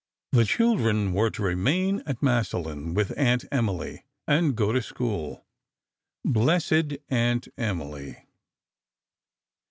The children were to remain at Massillon, with Aunt Emily, and go to school. Blessed Aunt Emily!